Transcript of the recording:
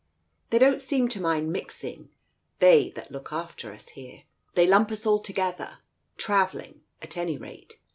They don't seem to mind mixing, they that look after us herel They lump us all together — travelling, at any rate